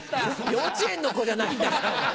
幼稚園の子じゃないんだから。